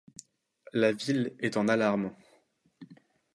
La ville est en alarme.